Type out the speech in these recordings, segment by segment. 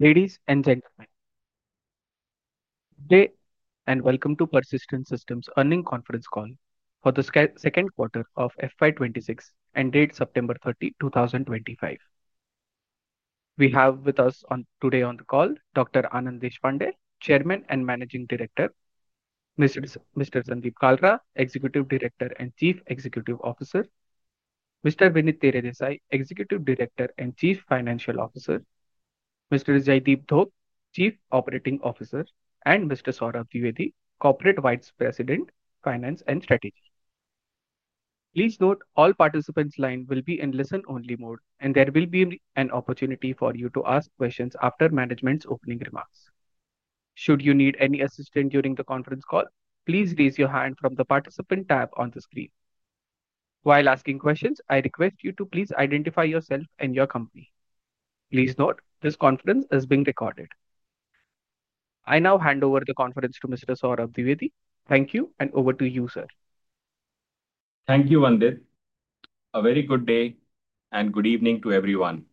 Ladies and Gentlemen, good day and welcome to Persistent Systems Earnings Conference call for the second quarter of FY26 ended September 30, 2025. We have with us today on the call Dr. Anand Deshpande, Chairman and Managing Director; Mr. Sandeep Kalra, Executive Director and Chief Executive Officer; Mr. Vinit Teredesai, Executive Director and Chief Financial Officer; Mr. Jaydeep Dhok, Chief Operating Officer; and Mr. Saurabh Dwivedi, Corporate Vice President, Finance and Strategy. Please note all participants' lines will be in listen-only mode and there will be an opportunity for you to ask questions after management's opening remarks. Should you need any assistance during the conference call, please raise your hand from the participant tab on the screen. While asking questions, I request you to please identify yourself and your company. Please note this conference is being recorded. I now hand over the conference to Mr. Saurabh Dwivedi. Thank you and over to you, sir. Thank you and a very good day and good evening to everyone.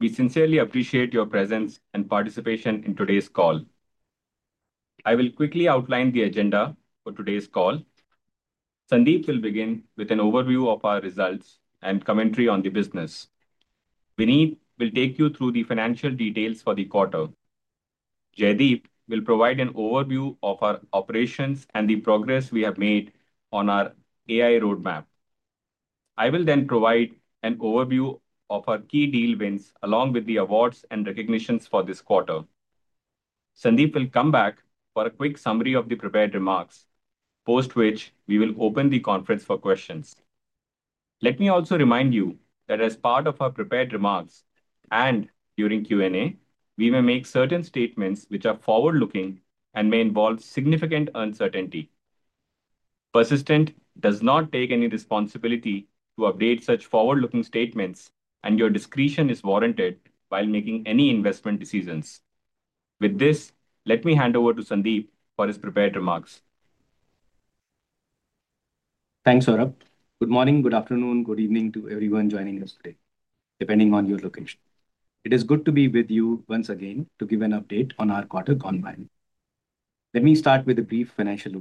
We sincerely appreciate your presence and participation in today's call. I will quickly outline the agenda for today's call. Sandeep will begin with an overview of our results and commentary on the business. Vinit will take you through the financial details for the quarter. Jaydeep will provide an overview of our operations and the progress we have made on our AI roadmap. I will then provide an overview of our key deal wins along with the awards and recognitions for this quarter. Sandeep will come back for a quick summary of the prepared remarks, after which we will open the conference for questions. Let me also remind you that as part of our prepared remarks and during Q&A we may make certain statements which are forward-looking and may involve significant uncertainty. Persistent Systems does not take any responsibility to update such forward-looking statements and your discretion is warranted while making any investment decisions. With this, let me hand over to Sandeep for his prepared remarks. Thanks Saurabh. Good morning, good afternoon, good evening to everyone joining us today. Depending on your location, it is good to be with you once again to give an update on our quarter gone by. Let me start with a brief financial.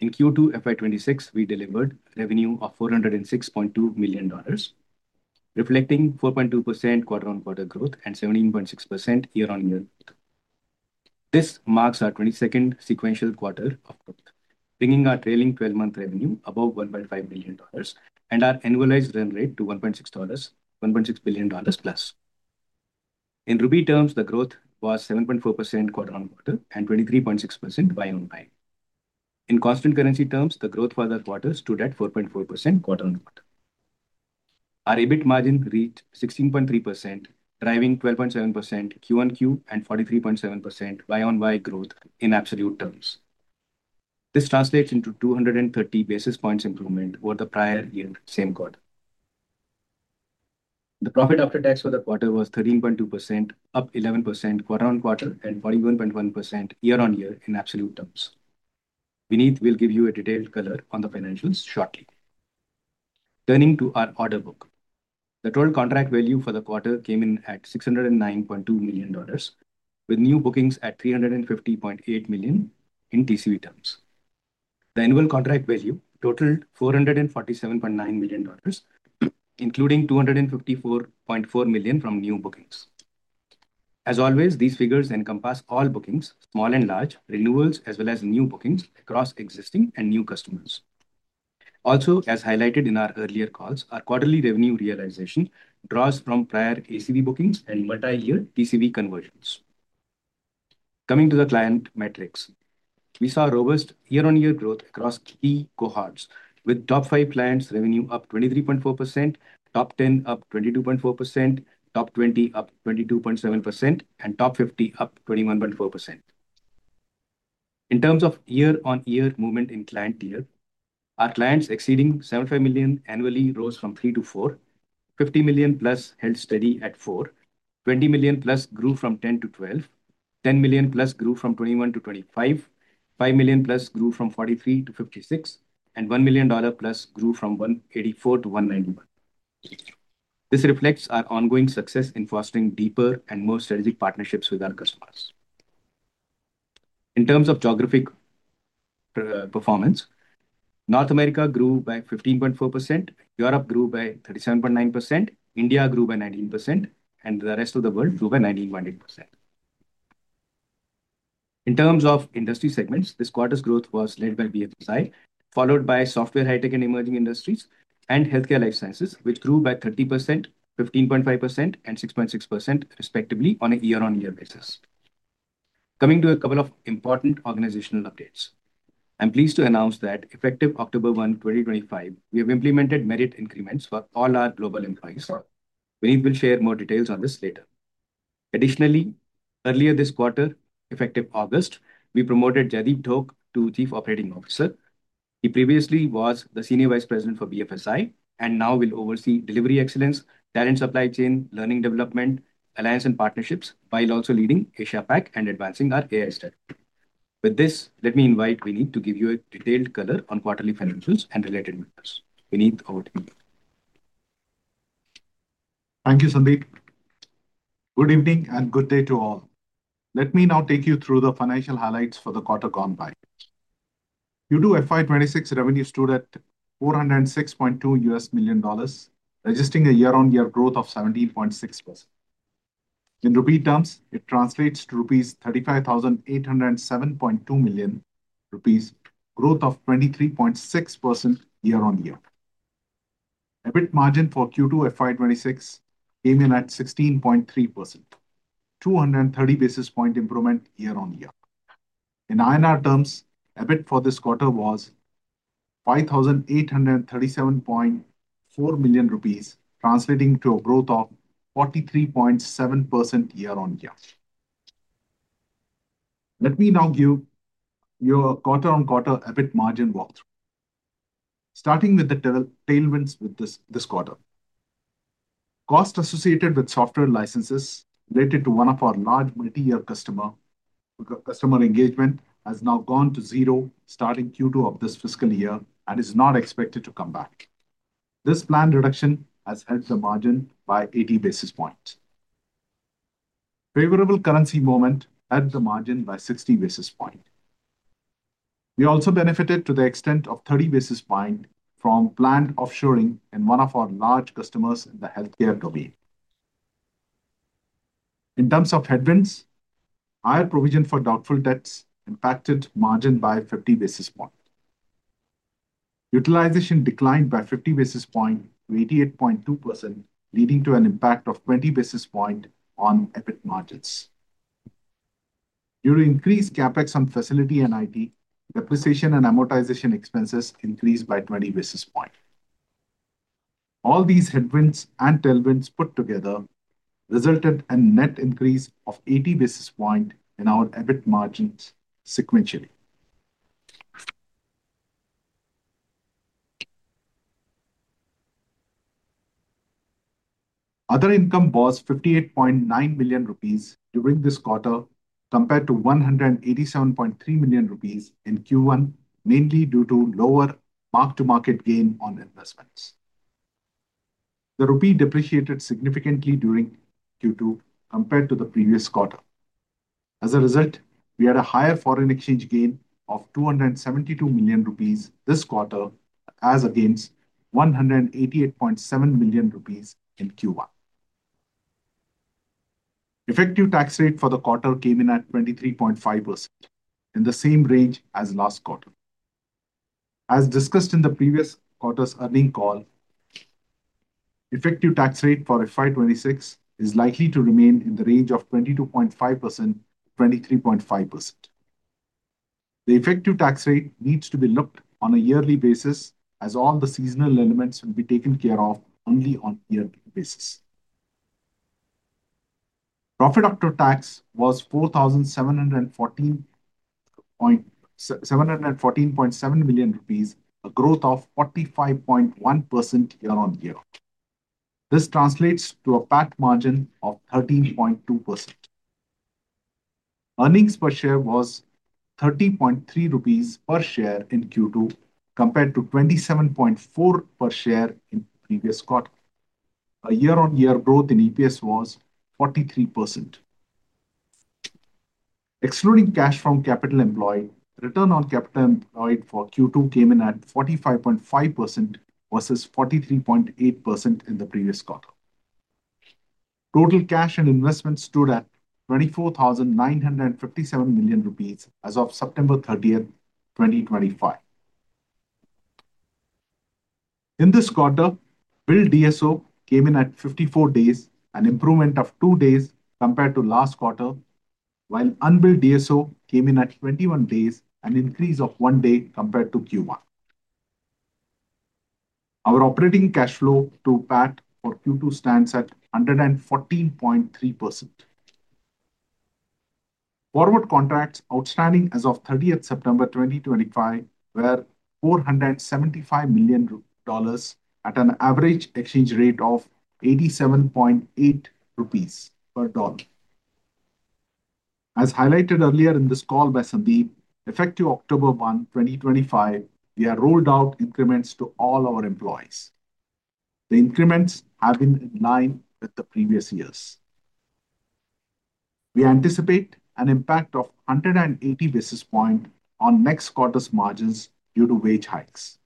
In Q2FY26 we delivered revenue of $406.2 million, reflecting 4.2% QoQ growth and 17.6% YoY. This marks our 22nd sequential quarter of growth, bringing our trailing twelve month revenue above $1.5 billion and our annualized run rate to $1.6 billion plus. In rupee terms, the growth was 7.4% QoQ and 23.6% YoY. In constant currency terms, the growth for the quarter stood at 4.4% QoQ. Our EBIT margin reached 16.3%, driving 12.7% QoQ and 43.7% YoY growth. In absolute terms, this translates into 230 basis points improvement over the prior year same quarter. The profit after tax for the quarter was 13.2%, up 11% QoQ and 41.1% YoY in absolute terms. Vinit will give you a detailed color on the financials shortly. Turning to our order book, the total contract value for the quarter came in at $609.2 million with new bookings at $350.8 million. In TCV terms, the annual contract value totaled $447.9 million, including $254.4 million from new bookings. As always, these figures encompass all bookings, small and large renewals as well as new bookings across existing and new customers. Also, as highlighted in our earlier calls, our quarterly revenue realization draws from prior ACV bookings and multi-year TCV conversions. Coming to the client metrics, we saw robust YoY growth across key cohorts with top five clients revenue up 23.4%, top 10 up 22.4%, top 20 up 22.7%, and top 50 up 21.4%. In terms of YoY movement in client tier, our clients exceeding $75 million annually rose from 3 to 4. $50 million plus held steady at 4. $20 million plus grew from 10 to 12, $10 million plus grew from 21 to 25, $5 million plus grew from 43 to 56, and $1 million plus grew from 184 to 191. This reflects our ongoing success in fostering deeper and more strategic partnerships with our customers. In terms of geographic performance, North America grew by 15.4%, Europe grew by 37.9%, India grew by 19%, and the rest of the world grew by 19.8%. In terms of industry segments, this quarter's growth was led by BFSI, followed by software & high tech and emerging industries, and healthcare & life sciences, which grew by 30%, 15.5%, and 6.6% respectively on a YoY basis. Coming to a couple of important organizational updates, I'm pleased to announce that effective October 1, 2025, we have implemented merit increments for all our global employees. Vinit will share more details on this later. Additionally, earlier this quarter, effective August, we promoted Jaydeep Dhok to Chief Operating Officer. He previously was the Senior Vice President for BFSI and now will oversee Delivery, Excellence, Talent, Supply Chain, Learning, Development, Alliance and Partnerships while also leading Asia Pac and advancing our AI study. With this, let me invite Vinit to give you a detailed color on quarterly financials and related matters. Vinit, over to you. Thank you Sandeep, good evening and good day to all. Let me now take you through the financial highlights for the quarter gone by. FY26 revenue stood at $406.2 million, registering a YoY growth of 17.6%. In rupee terms, it translates to 35,807.2 million rupees, a growth of 23.6% YoY. EBIT margin for Q2 FY26 came in at 16.3%, a 230 basis point improvement YoY. In INR terms, EBIT for this quarter was 5,837.4 million rupees, translating to a growth of 43.7% YoY. Let me now give you a QoQ EBIT margin walkthrough starting with the tailwinds. This quarter, cost associated with software licenses related to one of our large multi-year customer engagements has now gone to zero starting Q2 of this fiscal year and is not expected to come back. This planned reduction has helped the margin by 80 basis points. Favorable currency movement aided the margin by 60 basis points. We also benefited to the extent of 30 basis points from planned offshoring in one of our large customers in the healthcare domain. In terms of headwinds, higher provision for doubtful debts impacted margin by 50 basis points. Utilization declined by 50 basis points to 88.2%, leading to an impact of 20 basis points on EBIT margins. Due to increased CapEx on facility and IT, depreciation and amortization expenses increased by 20 basis points. All these headwinds and tailwinds put together resulted in a net increase of 80 basis points in our EBIT margins. Sequentially, other income was 58.9 million rupees during this quarter compared to 187.3 million rupees in Q1, mainly due to lower mark to market gain on investments. The rupee depreciated significantly during Q2 compared to the previous quarter. As a result, we had a higher foreign exchange gain of 272 million rupees this quarter as against 188.7 million rupees in Q1. Effective tax rate for the quarter came in at 23.5%, in the same range as last quarter. As discussed in the previous quarter's earnings call, effective tax rate for FY26 is likely to remain in the range of 22.5% to 23.5%. The effective tax rate needs to be looked at on a yearly basis as all the seasonal elements will be taken care of only on a yearly basis. Profit after tax was 4,714.7 million rupees, a growth of 45.1% YoY. This translates to a PAT margin of 13.2%. Earnings per share was 30.3 rupees per share in Q2 compared to 27.4 per share in the previous quarter. A year on year growth in EPS was 43% excluding cash from capital employed. Return on capital employed for Q2 came in at 45.5% versus 43.8% in the previous quarter. Total cash and investment stood at 24,957 million rupees as of September 30, 2025. In this quarter, billed DSO came in at 54 days, an improvement of 2 days compared to last quarter, while unbilled DSO came in at 21 days, an increase of one day compared to Q1. Our operating cash flow to PAT for Q2 stands at 114.3%. Forward contracts outstanding as of 09/30/2025 were $475 million at an average exchange rate of 87.8 rupees per dollar. As highlighted earlier in this call by Sandeep, effective 10/01/2025, we have rolled out increments to all our employees. The increments have been in line with the previous years. We anticipate an impact of 180 basis points on next quarter's margins due to wage hikes.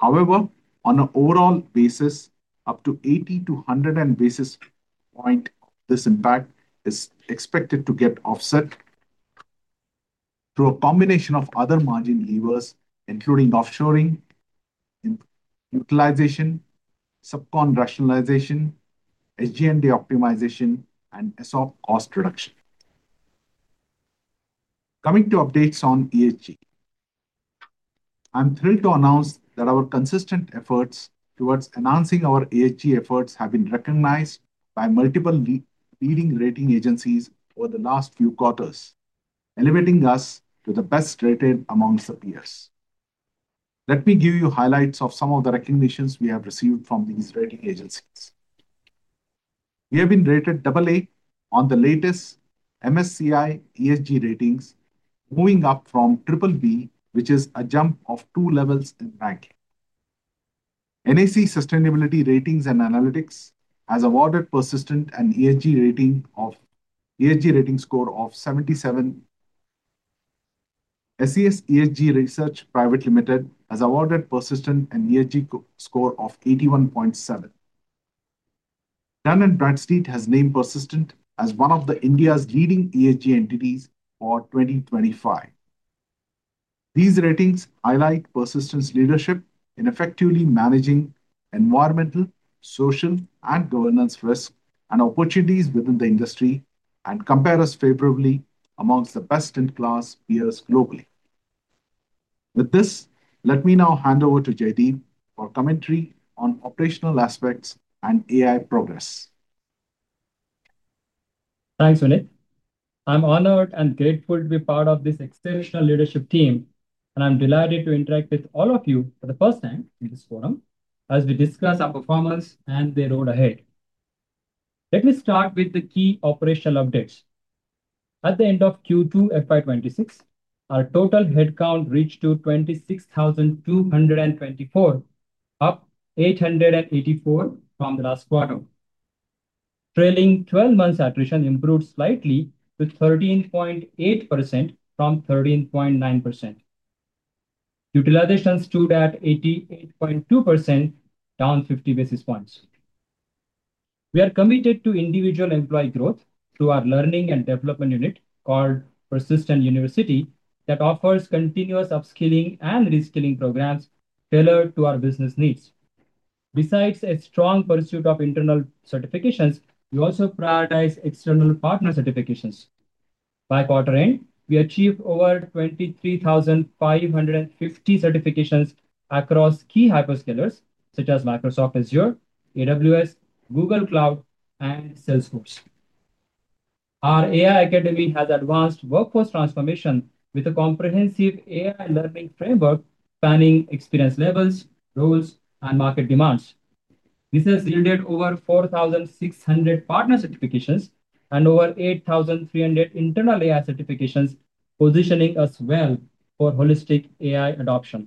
However, on an overall basis, up to 80 to 100 basis points, this impact is expected to get offset through a combination of other margin levers including offshoring in utilization, subcon, rationalization, SGND optimization, and SOP cost reduction. Coming to updates on ESG, I am thrilled to announce that our consistent efforts towards enhancing our ESG efforts have been recognized by multiple leading rating agencies over the last few quarters, elevating us to the best rated amongst the peers. Let me give you highlights of some of the recognitions we have received from these rating agencies. We have been rated AA on the latest MSCI ESG ratings. Moving up from AAA, which is a jump of two levels in ranking, NAC Sustainability Ratings and Analytics has awarded Persistent an ESG rating score of 77. SES ESG Research Private Limited has awarded Persistent an ESG score of 81.7. Dun & Bradstreet has named Persistent as one of India's leading ESG entities for 2025. These ratings highlight Persistent's leadership in effectively managing environmental, social, and governance risk and opportunities within the industry and compare us favorably amongst the best in class peers globally. With this, let me now hand over to Jaydeep for commentary on operational aspects and AI progress. Thanks Vinit. I'm honored and grateful to be part of this exceptional leadership team and I'm delighted to interact with all of you for the first time in this forum as we discuss our performance and the road ahead. Let me start with the key operational updates. At the end of Q2 FY26, our total headcount reached 26,224, up 884 from the last quarter trailing 12 months. Attrition improved slightly to 13.8% from 13.9%. Utilization stood at 88.2%, down 50 basis points. We are committed to individual employee growth through our learning and development unit called Persistent University that offers continuous upskilling and reskilling programs tailored to our business needs. Besides a strong pursuit of internal certifications, we also prioritize external partner certifications. By quarter end, we achieved over 23,550 certifications across key hyperscalers such as Microsoft Azure, AWS, Google Cloud, and Salesforce. Our AI Academy has advanced workforce transformation with a comprehensive AI learning framework spanning experience levels, roles, and market demands. This has yielded over 4,600 partner certifications and over 8,300 internal AI certifications, positioning us well for holistic AI adoption.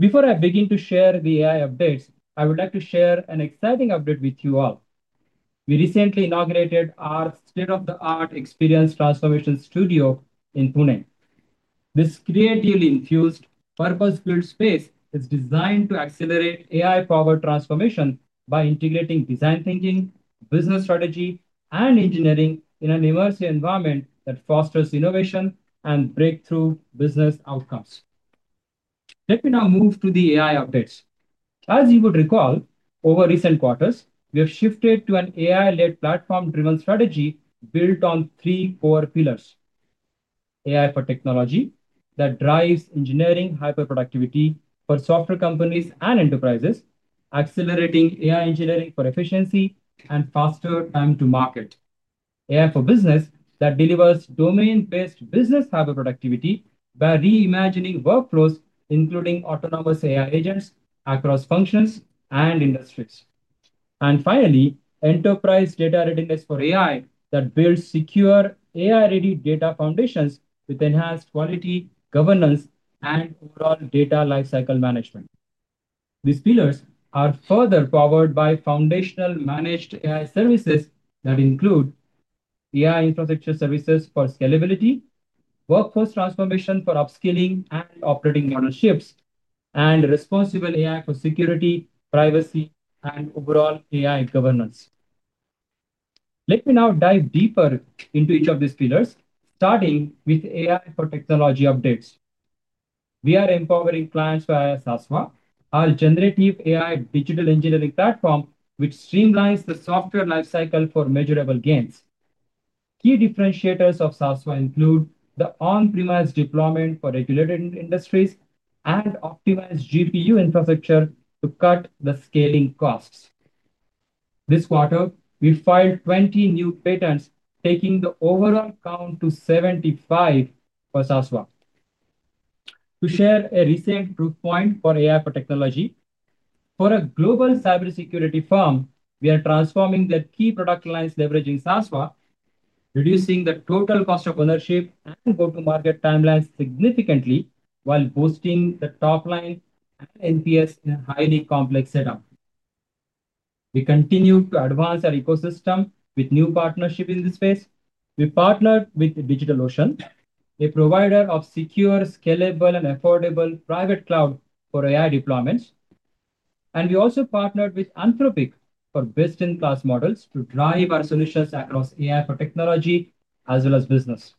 Before I begin to share the AI updates, I would like to share an exciting update with you all. We recently inaugurated our state-of-the-art Experience Transformation Studio in Pune. This creatively infused, purpose-built space is designed to accelerate AI-powered transformation by integrating design thinking, business strategy, and engineering in an immersive environment that fosters innovation and breakthrough business outcomes. Let me now move to the AI updates. As you would recall, over recent quarters we have shifted to an AI-led platform-driven strategy built on three core pillars. AI for technology that drives engineering hyper productivity for software companies and enterprises, accelerating AI engineering for efficiency and faster time to market. AI for business that delivers domain-based business hyper productivity by reimagining workflows, including autonomous AI agents across functions and industries. Finally, enterprise data readiness for AI that builds secure AI-ready data foundations with enhanced quality, governance, and overall data lifecycle management. These pillars are further powered by foundational managed AI services that include AI infrastructure services for scalability, workforce transformation for upskilling and operating model shifts, and responsible AI for security, privacy, and overall AI governance. Let me now dive deeper into each of these pillars, starting with AI for technology updates. We are empowering clients via SASVA, our generative AI digital engineering platform, which streamlines the software life cycle for measurable gains. Key differentiators of SASVA include the on-premise deployment for regulated industries and optimized GPU infrastructure to cut the scaling costs. This quarter, we filed 20 new patents, taking the overall count to 75 for SASVA. To share a recent proof point for AI for technology, for a global cybersecurity firm, we are transforming their key product lines leveraging SASVA, reducing the total cost of ownership and go-to-market timelines significantly while boosting the top line and NPS in a highly complex setup. We continue to advance our ecosystem with new partnerships in this space. We partnered with DigitalOcean, a provider of secure, scalable, and affordable private cloud for AI deployments, and we also partnered with Anthropic for best-in-class models to drive our solutions across AI for technology as well as business.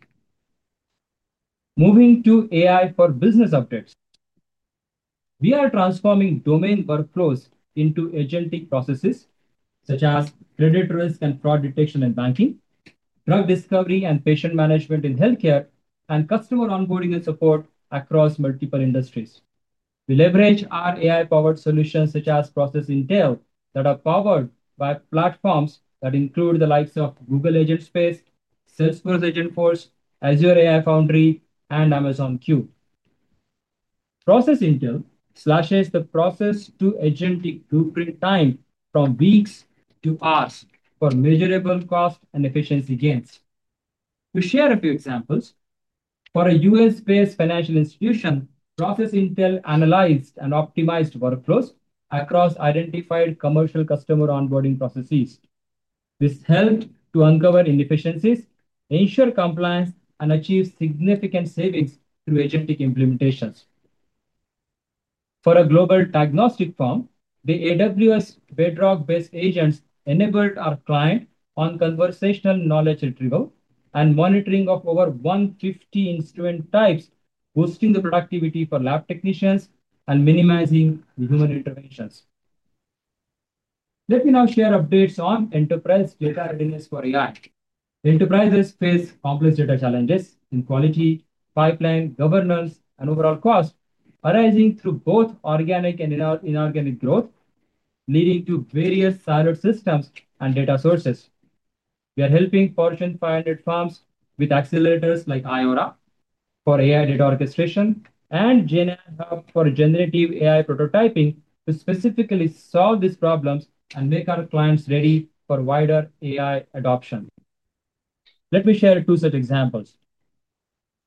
Moving to AI for business updates, we are transforming domain workflows into agentic processes such as credit risk and fraud detection in banking, drug discovery and patient management in healthcare, and customer onboarding and support across multiple industries. We leverage our AI-powered solutions such as Process Intel that are powered by platforms that include the likes of Google, Google Agent Space, Salesforce, Agent Force, Azure, AI Foundry, and Amazon Q. Process Intel slashes the process-to-agentic blueprint time from weeks to hours for measurable cost and efficiency gains. To share a few examples, for a U.S.-based financial institution, Process Intel analyzed and optimized workflows across identified commercial customer onboarding processes. This helped to uncover inefficiencies, ensure compliance, and achieve significant savings through agentic implementations. For a global diagnostic firm, the AWS Bedrock-based agents enabled our client on conversational knowledge retrieval and monitoring of over 150 instrument types, boosting the productivity for lab technicians and minimizing the human interventions. Let me now share updates on enterprise data readiness for AI. Enterprises face complex data challenges in quality, pipeline governance, and overall cost arising through both organic and inorganic growth, leading to various standard systems and data sources. We are helping Fortune 500 firms with accelerators like IORA for AI Data Orchestration and Jnan Hub for generative AI prototyping to specifically solve these problems and make our clients ready for wider AI adoption. Let me share two such examples.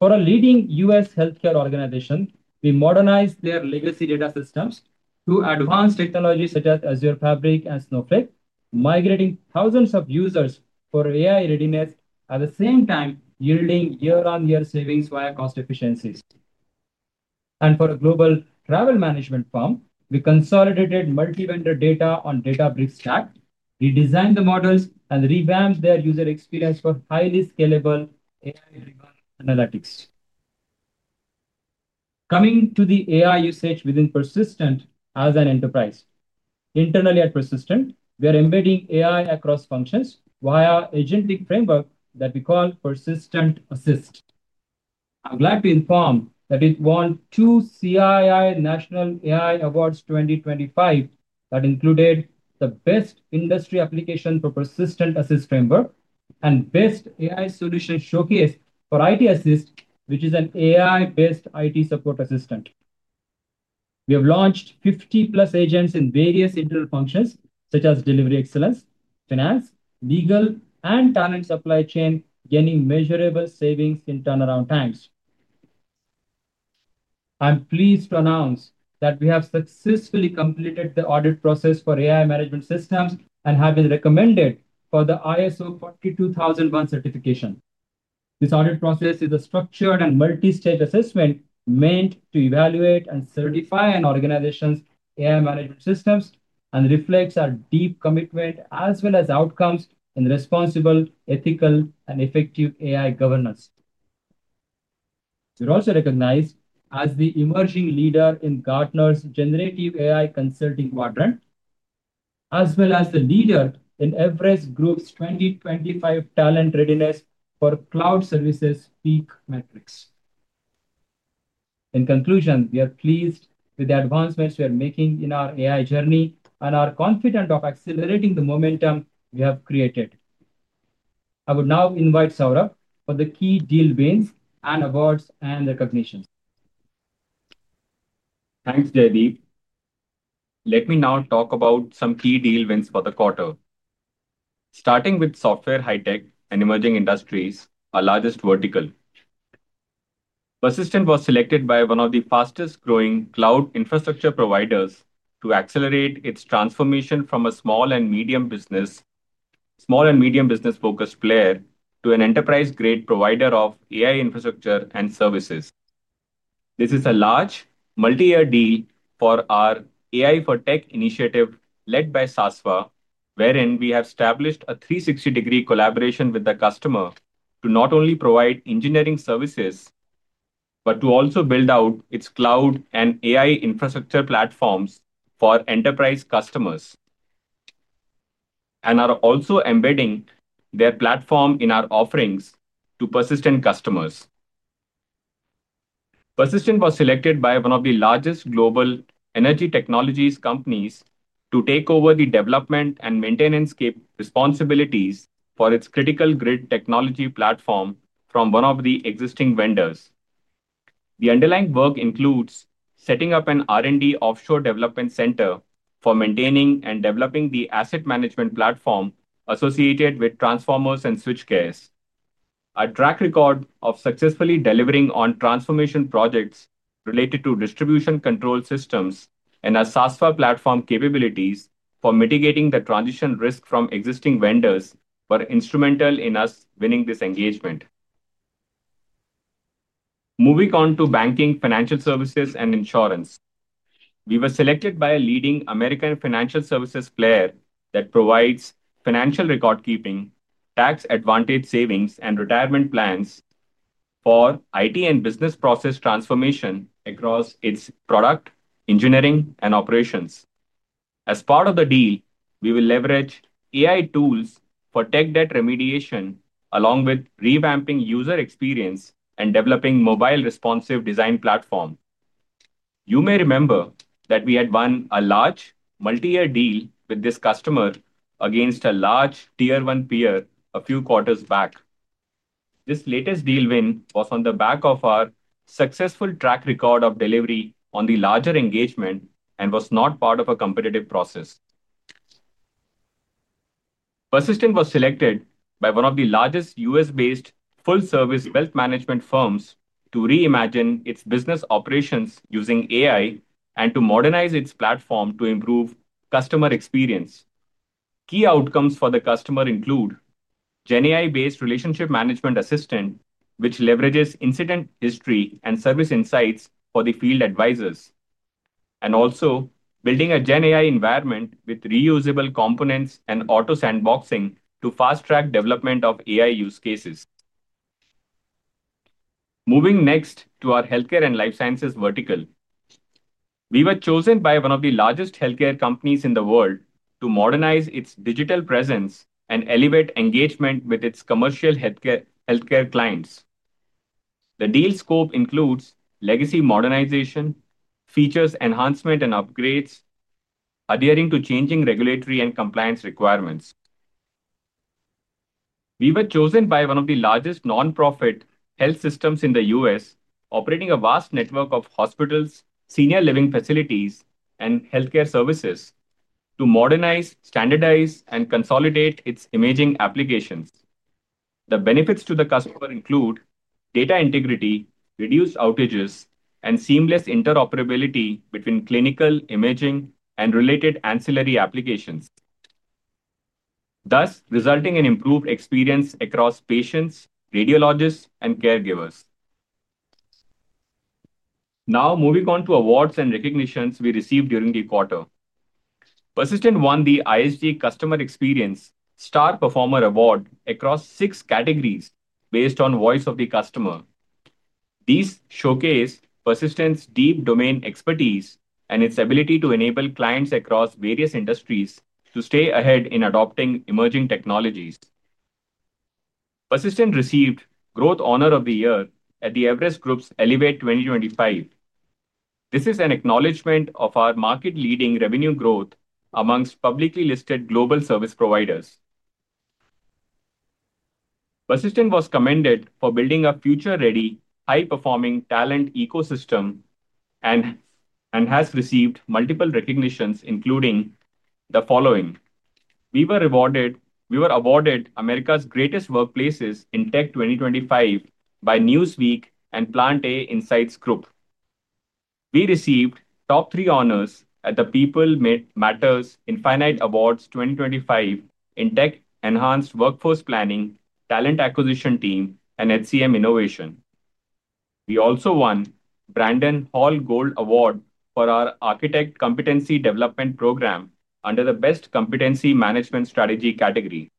For a leading U.S. healthcare organization, we modernized their legacy data systems to advanced technologies such as Azure Fabric and Snowflake, migrating thousands of users for AI readiness, at the same time yielding year on year savings via cost efficiencies. For a global travel management firm, we consolidated multi-vendor data on Databricks stack, redesigned the models, and revamped their user experience for highly scalable AI-driven analytics. Coming to the AI usage within Persistent as an enterprise, internally at Persistent, we are embedding AI across functions via AgentLink framework that we call Persistent Assist. I'm glad to inform that it won two CII National AI Awards 2025 that included the Best Industry Application for Persistent Assist Framework and Best AI Solution Showcase for IT Assist, which is an AI-based IT support assistant. We have launched 50+ agents in various internal functions such as Delivery Excellence, Finance, Legal, and Talent Supply Chain, gaining measurable savings in turnaround times. I'm pleased to announce that we have successfully completed the audit process for AI management systems and have been recommended for the ISO 42001 certification. This audit process is a structured and multi-stage assessment meant to evaluate and certify an organization's AI management systems and reflects our deep commitment as well as outcomes in responsible, ethical, and effective AI governance. We are also recognized as the emerging leader in Gartner's generative AI consulting quadrant as well as the leader in Everest Group's 2025 Talent Readiness for Cloud Services Peak metrics. In conclusion, we are pleased with the advancements we are making in our AI journey and are confident of accelerating the momentum we have created. I would now invite Saurabh for the key deal wins and awards and recognitions. Thanks Jaydeep. Let me now talk about some key deal wins for the quarter, starting with software, high tech, and emerging industries. Our largest vertical, Persistent, was selected by one of the fastest growing cloud infrastructure providers to accelerate its transformation from a small and medium business-focused player to an enterprise-grade provider of AI infrastructure and services. This is a large multi-year deal for our AI for Tech initiative led by SASVA, wherein we have established a 360-degree collaboration with the customer to not only provide engineering services but to also build out its cloud and AI infrastructure platforms for enterprise customers and are also embedding their platform in our offerings to Persistent customers. Persistent was selected by one of the largest global energy technologies companies to take over the development and maintenance responsibilities for its critical grid technology platform from one of the existing vendors. The underlying work includes setting up an R&D offshore development center for maintaining and developing the asset management platform associated with transformers and switchgears. A track record of successfully delivering on transformation projects related to distribution control systems and our SASVA platform capabilities for mitigating the transition risk from existing vendors were instrumental in us winning this engagement. Moving on to banking, financial services, and insurance, we were selected by a leading American financial services player that provides financial record keeping, tax-advantaged savings, and retirement plans for IT and business process transformation across its product engineering and operations. As part of the deal, we will leverage AI tools for tech debt remediation along with revamping user experience and developing a mobile responsive design platform. You may remember that we had won a large multi-year deal with this customer against a large Tier 1 peer a few quarters back. This latest deal win was on the back of our successful track record of delivery on the larger engagement and was not part of a competitive process. Persistent was selected by one of the largest U.S.-based full-service wealth management firms to reimagine its business operations using AI and to modernize its platform to improve customer experience. Key outcomes for the customer include GenAI-based Relationship Management Assistant, which leverages incident history and service insights for the field advisors, and also building a Gen environment with reusable components and auto sandboxing to fast track development of AI use cases. Moving next to our healthcare & life sciences vertical, we were chosen by one of the largest healthcare companies in the world to modernize its digital presence and elevate engagement with its commercial healthcare clients. The deal scope includes legacy modernization features, enhancement, and upgrades adhering to changing regulatory and compliance requirements. We were chosen by one of the largest nonprofit health systems in the U.S., operating a vast network of hospitals, senior living facilities, and healthcare services, to modernize, standardize, and consolidate its imaging applications. The benefits to the customer include data integrity, reduced outages, and seamless interoperability between clinical imaging and related ancillary applications, thus resulting in improved experience across patients, radiologists, and caregivers. Now moving on to awards and recognitions we received during the quarter, Persistent won the ISG Customer Experience Star Performer Award across six categories based on Voice of the Customer. These showcase Persistent's deep domain expertise and its ability to enable clients across various industries to stay ahead in adopting emerging technologies. Persistent received Growth Honor of the Year at the Everest Group's Elevate 2025. This is an acknowledgment of our market-leading revenue growth amongst publicly listed global service providers. Persistent was commended for building a future-ready, high-performing talent ecosystem and has received multiple recognitions including the following. We were awarded America's Greatest Workplaces in Tech 2025 by Newsweek and Plant A Insights Group. We received top three honors at the People Matters Infinite Awards 2025 in Tech Enhanced Workforce Planning, Talent Acquisition Team, and HCM Innovation. We also won Brandon Hall Gold Award for our Architect Competency Development Program under the Best Competency Management Strategy category.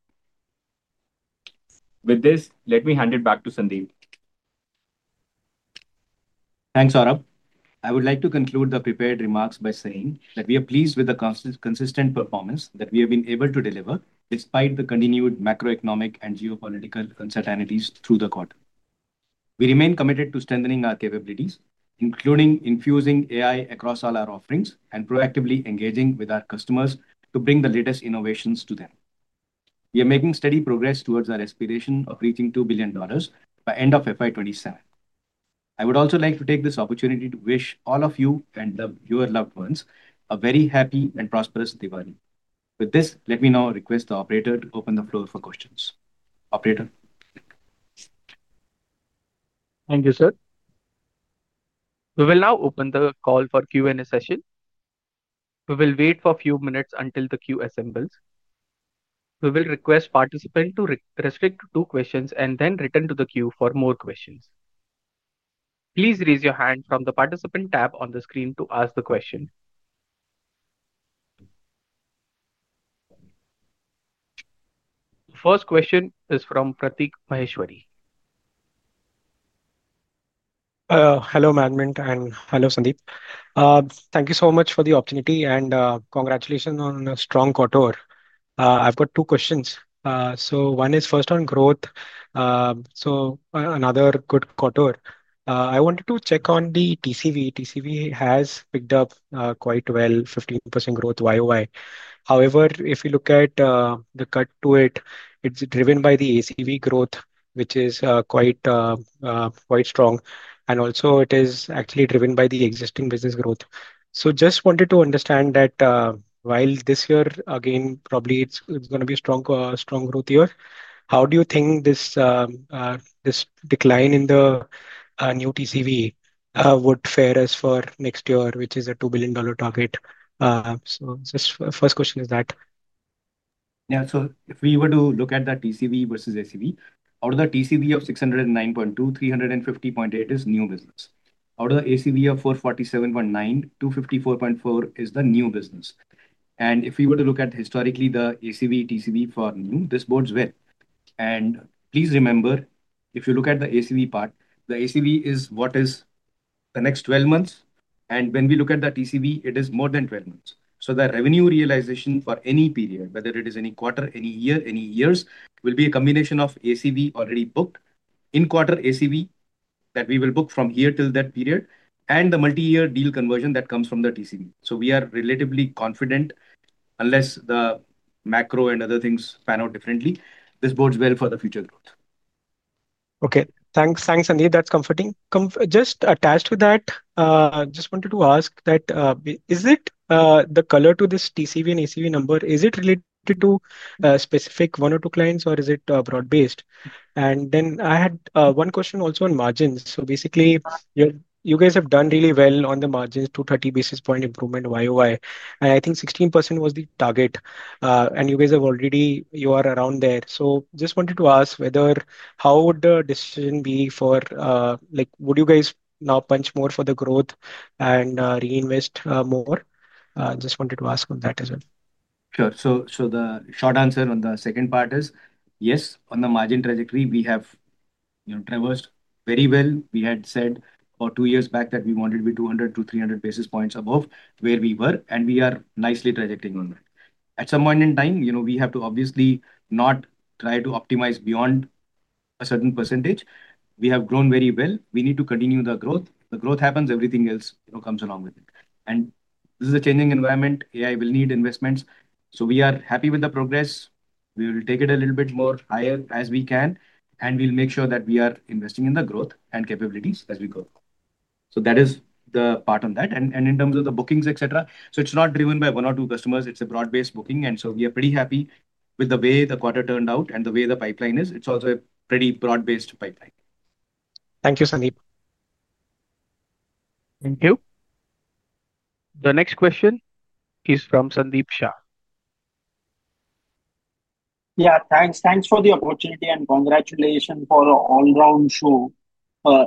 With this, let me hand it back to Sandeep. Thanks Saurabh. I would like to conclude the prepared remarks by saying that we are pleased with the consistent performance that we have been able to deliver despite the continued macroeconomic and geopolitical uncertainties through the quarter. We remain committed to strengthening our capabilities, including infusing AI across all our offerings and proactively engaging with our customers to bring the latest innovations to them. We are making steady progress towards our aspiration of reaching $2 billion by end of FY27. I would also like to take this opportunity to wish all of you and your loved ones a very happy and prosperous Diwali. With this, let me now request the Operator to open the floor for questions. Operator. Thank you, sir. We will now open the call for the Q&A session. We will wait for a few minutes until the queue assembles. We request participants to restrict to two questions and then return to the queue for more questions. Please raise your hand from the participant tab on the screen to ask a question. The first question is from Pratik Maheshwari. Hello Management and hello Sandeep. Thank you so much for the opportunity and congratulations on a strong quarter. I've got two questions. One is first on growth. Another good quarter. I wanted to check on the TCV. TCV has picked up quite well, 15% growth YoY. However, if you look at the cut to it, it's driven by the ACV growth, which is quite, quite strong, and also it is actually driven by the existing business growth. I just wanted to understand that while this year again probably it's going to be a strong growth year, how do you think this decline in the new TCV would fare us for next year, which is a $2 billion target? Just first question is that. Yeah, so if we were to look at that TCV versus ACV, out of the TCV of $609.2 million, $350.8 million is new business. Out of the ACV of $447.9 million, $254.4 million is the new business. If we were to look at historically the ACV, TCV for new, this bodes well, and please remember if you look at the ACV part, the ACV is what is the next 12 months, and when we look at the TCV, it is more than 12 months. The revenue realization for any period, whether it is any quarter, any year, any years, will be a combination of ACV already booked in quarter, ACV that we will book from here till that period, and the multi-year deal conversion that comes from the TCV. We are relatively confident, unless the macro and other things pan out differently, this bodes well for the future growth. Okay, thanks, thanks. That's comforting. Just attached to that, just wanted to ask, is the color to this TCV and ACV number related to specific one or two clients or is it broad based? I had one question also on margins. You guys have done really well on the margins, 230 basis point improvement YoY, and I think 16% was the target and you guys have already, you are around from there. Just wanted to ask whether, how would the decision be for, like, would you guys now punch more for the growth and reinvest more? Just wanted to ask on that as well. Sure. The short answer on the second part is yes, on the margin trajectory we have traversed very well. We had said two years back that we wanted to be 200 to 300 basis points above where we were, and we are nicely trajectory on that. At some point in time, we have to obviously not try to optimize beyond a certain %. We have grown very well. We need to continue the growth; the growth happens, everything else comes along with it. This is a changing environment. AI will need investments. We are happy with the progress. We will take it a little bit more higher as we can, and we'll make sure that we are investing in the growth and capabilities as we go. That is the part of that, and in terms of the bookings, etc., it's not driven by one or two customers, it's a broad-based booking. We are pretty happy with the way the quarter turned out and the way the pipeline is. It's also a pretty broad-based pipeline. Thank you, Sandeep. Thank you. The next question is from Sandeep Shah. Yeah, thanks. Thanks for the opportunity and congratulations for all round show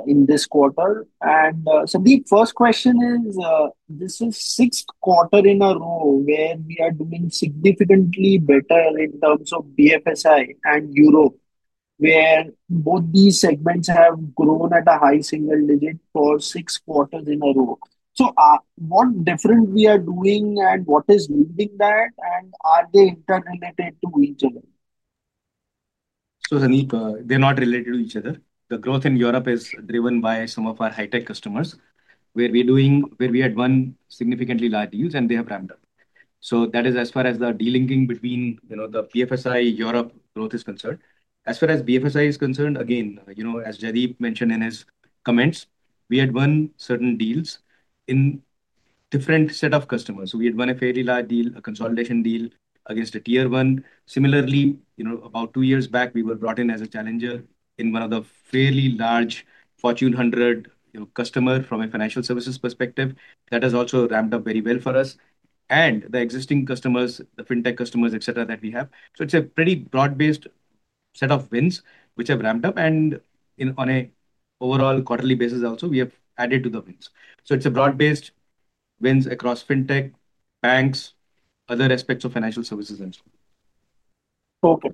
in this quarter. Sandeep, first question is this is sixth quarter in a row where we are doing significantly better in terms of BFSI and Europe, where both these segments have grown at a high single digit. For six quarters in a row. What different are we doing and what is leading that, and are they interrelated to internal? Hanif, they're not related to each other. The growth in Europe is driven by some of our high tech customers where we had won significantly large deals and they have ramped up. That is as far as the delinking between the BFSI Europe growth is concerned. As far as BFSI is concerned, again, as Jaydeep mentioned in his comments, we had won certain deals in a different set of customers. We had one deal, a consolidation deal against a tier one. Similarly, about two years back we were brought in as a challenger in one of the fairly large Fortune 100 customers. From a financial services perspective, that has also ramped up very well for us and the existing customers, the fintech customers, etc. that we have. It's a pretty broad-based set of wins which have ramped up and on an overall quarterly basis we have added to the wins. It's broad-based wins across fintech, banks, other aspects of financial services, and so on. Okay.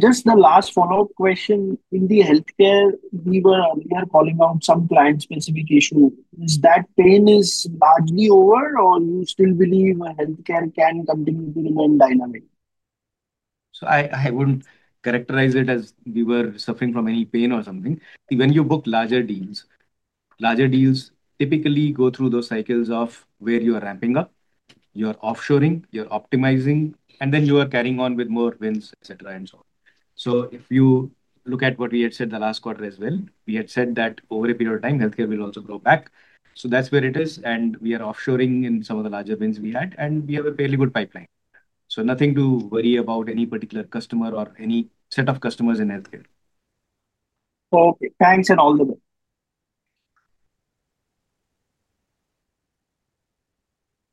Just the last follow up question, in the healthcare, we were earlier calling out some client specific issue. Is that pain largely over, or do you still believe healthcare can continue to remain dynamic? I wouldn't characterize it as we were suffering from any pain or something. When you book larger deals, larger deals typically go through those cycles where you are ramping up, you're offshoring, you're optimizing, and then you are carrying on with more wins, etc. If you look at what we had said the last quarter as well, we had said that over a period of time healthcare will also grow back. That's where it is. We are offshoring in some of the larger bins we had, and we have a fairly good pipeline, so nothing to worry about. Any particular customer or any set of customers in healthcare. Okay, thanks and all that.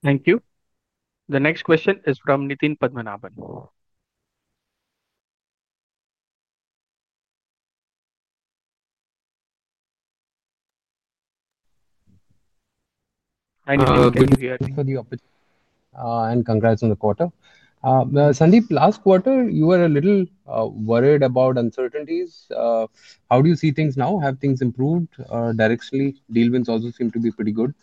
Thank you. The next question is from Nitin Padmanabhan. Congrats on the quarter. Sandeep, last quarter you were a little worried about uncertainties. How do you see things now? Have things improved directionally? Deal wins also seem to be pretty good.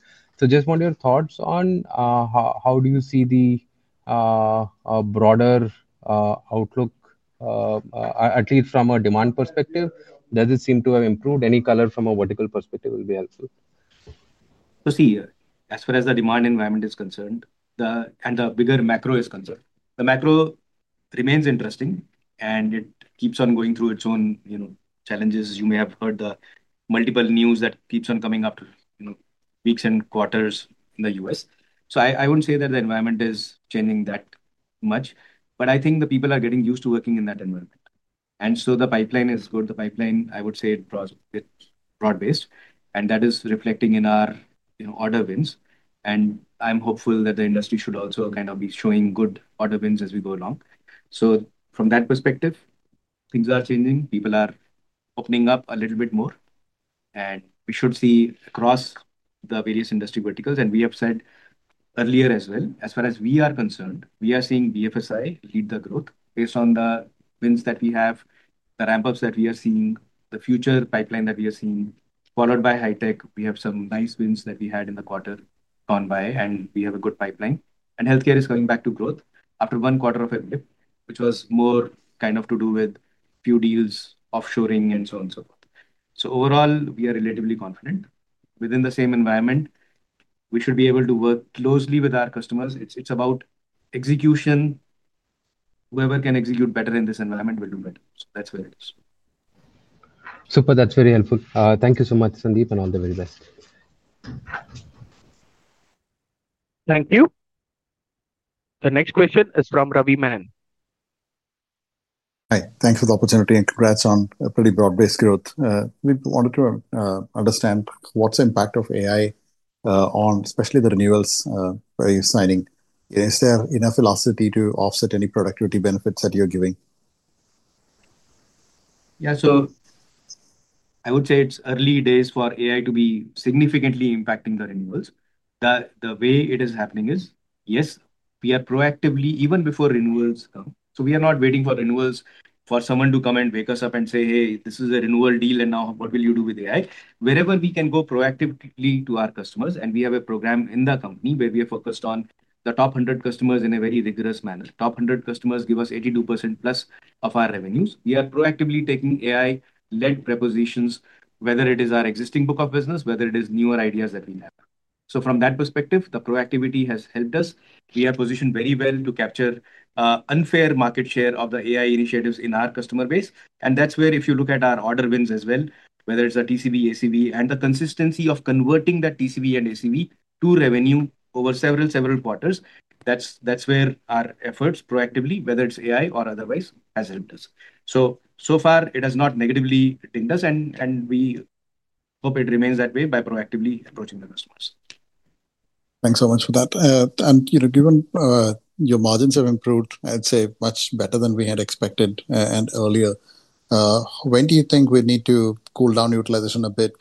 Just want your thoughts on how you see the broader outlook at least from a demand perspective. Does it seem to have improved? Any color from a vertical perspective will be helpful. As far as the demand environment is concerned and the bigger macro is concerned, the macro remains interesting and it keeps on going through its own challenges. You may have heard the multiple news that keeps on coming up, you know, weeks and quarters in the U.S. I wouldn't say that the environment is changing that much, but I think people are getting used to working in that environment. The pipeline is good. The pipeline, I would say, is broad based and that is reflecting in our order wins. I'm hopeful that the industry should also kind of be showing good order wins as we go along. From that perspective, things are changing, people are opening up a little bit more and we should see across the various industry verticals. We have said earlier as well, as far as we are concerned, we are seeing BFSI lead the growth based on the wins that we have, the ramp ups that we are seeing, the future pipeline that we are seeing, followed by high tech. We have some nice wins that we had in the quarter gone by and we have a good pipeline, and healthcare is coming back to growth after a quarter of a dip, which was more kind of to do with few deals, offshoring and so on, so forth. Overall, we are relatively confident within the same environment. We should be able to work closely with our customers. It's about execution. Whoever can execute better in this environment will do better. That's where it is. Super. That's very helpful. Thank you so much, Sandeep, and all the very best. Thank you. The next question is from Ravi Menon. Hi, thanks for the opportunity and congrats on a pretty broad-based growth. We wanted to understand what's the impact of AI on especially the renewals where you're signing. Is there enough velocity to offset any productivity benefits that you're giving? Yeah. I would say it's early days for AI to be significantly impacting the renewals. The way it is happening is yes, we are proactively even before renewals come. We are not waiting for renewals for someone to come and wake us up and say, hey, this is a renewal deal and now what will you do with AI? Wherever we can go proactively to our customers and we have a program in the company where we are focused on the top 100 customers in a very rigorous manner. Top 100 customers give us 82%+ of our revenues. We are proactively taking AI-led prepositions, whether it is our existing book of business or newer ideas that we have. From that perspective, the proactivity has helped us. We are positioned very well to capture unfair market share of the AI initiatives in our customer base. If you look at our order wins as well, whether it's a TCV, ACV, and the consistency of converting that TCV and ACV to revenue over several, several quarters, that's where our efforts proactively, whether it's AI or otherwise, have helped us. So far it has not negatively dinged us, and we hope it remains that way by proactively approaching the customers. Thanks so much for that. Given your margins have improved, I'd say much better than we had expected. Earlier, when do you think we need to cool down utilization a bit?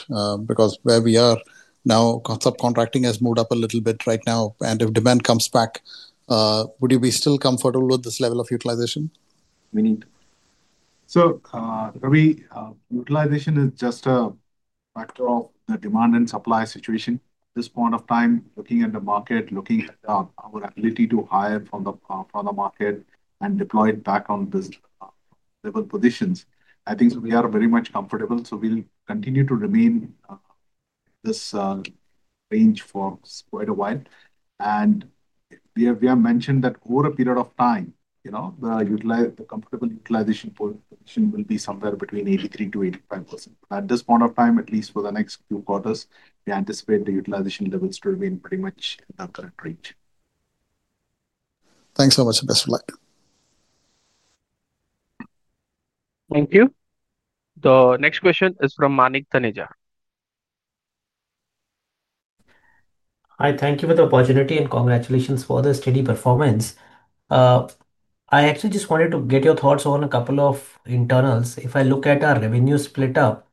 Because where we are now, subcontracting has moved up a little bit right now, and if demand comes back, would you be still comfortable with this level of utilization? Utilization is just a factor of the demand and supply situation at this point of time. Looking at the market, looking at our ability to hire from the market and deploy it back on these level positions, I think we are very much comfortable. We'll continue to remain in this range for quite a while. We have mentioned that over a period of time, the comfortable utilization will be somewhere between 83% to 85%. At this point of time, at least for the next few quarters, we anticipate the utilization levels to remain pretty much in the current range. Thanks so much. Best of luck. Thank you. The next question is from Manik Taneja. Thank you for the opportunity and congratulations for the steady performance. I actually just wanted to get your thoughts on a couple of internals. If I look at our revenue split up,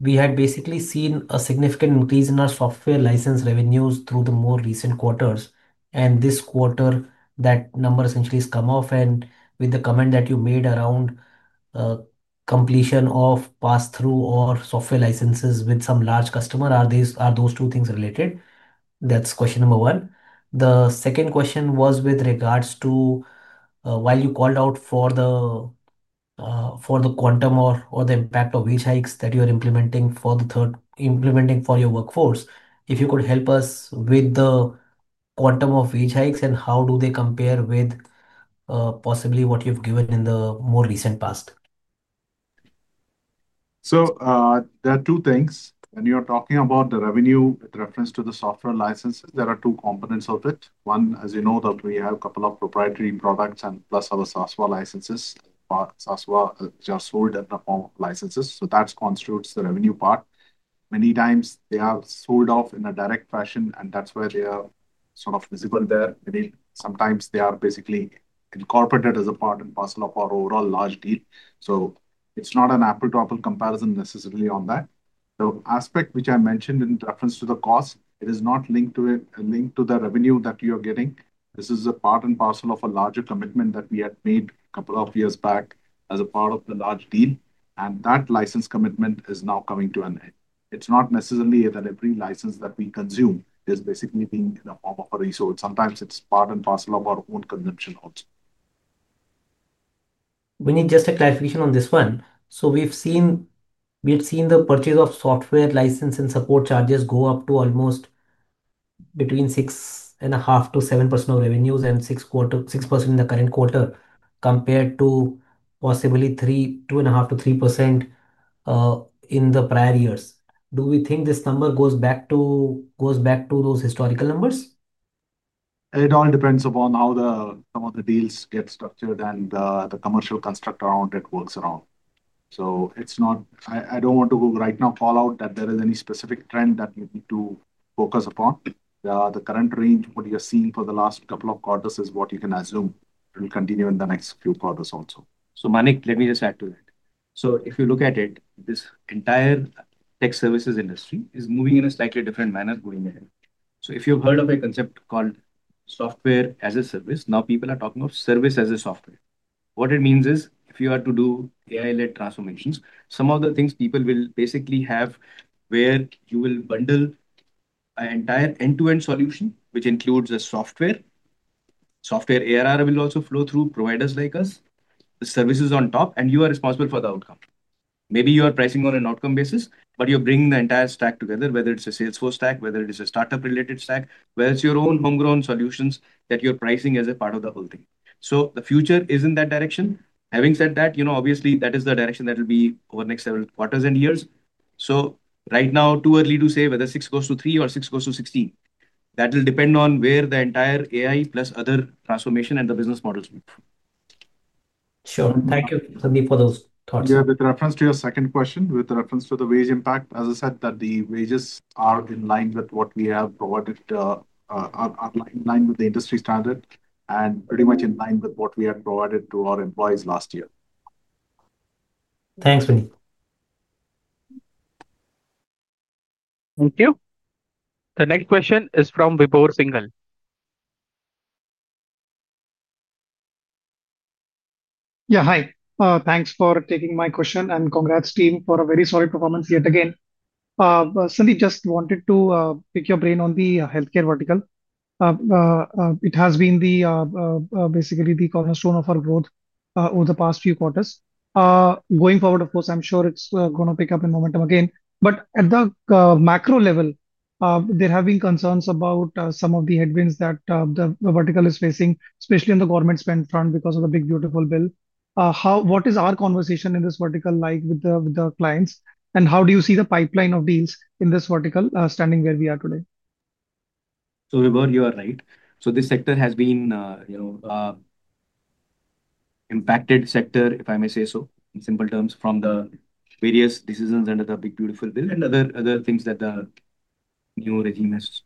we had basically seen a significant increase in our software license revenues through the more recent quarters. This quarter that number essentially has come off. With the comment that you made around completion of pass through or software licenses with some large customer, are those two things related? That's question number one. The second question was with regards to while you called out for the quantum or the impact of wage hikes that you are implementing for your workforce. If you could help us with the quantum of wage hikes and how do they compare with possibly what you've given in the more recent past? There are two things when you're talking about the revenue with reference to the software licenses. There are two components of it. One, as you know, we have a couple of proprietary products and plus our SASVA licenses, SASVA which are sold in the form of licenses. That constitutes the revenue part. Many times they are sold off in a direct fashion and that's where they are sort of visible there. Sometimes they are basically incorporated as a part and parcel of our overall large deal. It's not an apple-to-apple comparison necessarily on that. The aspect which I mentioned in reference to the cost, it is not linked to the revenue that you are getting. This is a part and parcel of a larger commitment that we had made a couple of years back as a part of the large deal and that license commitment is now coming to an end. It's not necessarily that every license that we consume is basically being in a form of a resource. Sometimes it's part and parcel of our own consumption. Also. We need just a clarification on this one. We've seen the purchase of software license and support charges go up to almost between 6.5% to 7% of revenues and 6% in the current quarter compared to possibly 2.5% to 3% in the prior years. Do we think this number goes back to those historical numbers? It all depends upon how some of the deals get structured and the commercial construct around it works. It's not, I don't want to call out right now that there is any specific trend that you need to focus upon. The current range you're seeing for the last couple of quarters is what you can assume will continue in the next few quarters also. Manik, let me just add to that. If you look at it, this entire tech services industry is moving in a slightly different manner going ahead. If you've heard of a concept called software as a service, now people are talking of service as a software. What it means is if you are to do AI-led transformations, some of the things people will basically have where you will bundle an entire end-to-end solution which includes a software, software ARR will also flow through providers like us, the services on top, and you are responsible for the outcome. Maybe you are pricing on an outcome basis, but you're bringing the entire stack together, whether it's a Salesforce stack, whether it is a startup-related stack, or whether it's your own homegrown solutions that you're pricing as a part of the whole thing. The future is in that direction. Having said that, obviously that is the direction that will be over the next several quarters and years. Right now, too early to say whether 6 goes to 3 or 6 goes to 16. That will depend on where the entire AI plus other transformation and the business. Models, sure, thank you for those thoughts. Yeah, with reference to your second question, with reference to the wage impact, as I said, the wages are in line with what we have provided, in line with the industry standard and pretty much in line with what we had provided to our employees last year. Thanks, Vinny. Thank you. The next question is from Vipoor Singhal. Yeah, hi. Thanks for taking my question and congrats team for a very solid performance yet again. Sandeep, just wanted to pick your brain on the healthcare vertical. It has been basically the cornerstone of our growth over the past few quarters. Going forward, of course I'm sure it's going to pick up in momentum again. At the macro level there have been concerns about some of the headwinds that the vertical is facing, especially on the government spend front because of the big beautiful bill. What is our conversation in this vertical like with the clients and how do you see the pipeline of deals in this vertical standing where we are today? We were. You are right. This sector has been, you know, an impacted sector if I may say so in simple terms from the various decisions under the big beautiful bill and other things that the new regime has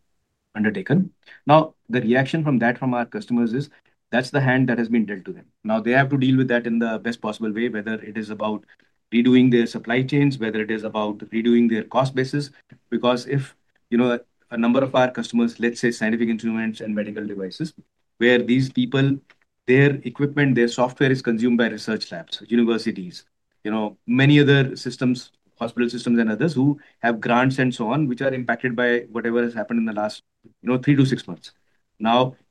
undertaken. The reaction from our customers is that's the hand that has been dealt to them. Now they have to deal with that in the best possible way, whether it is about redoing their supply chains or redoing their cost basis. If you know a number of our customers, let's say scientific instruments and medical devices, where these people, their equipment, their software is consumed by research labs, universities, many other systems, hospital systems, and others who have grants and so on, which are impacted by whatever has happened in the last three to six months.